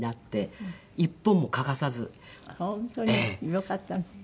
よかったね。